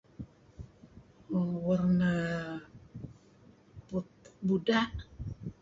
[unintelligible] buda'.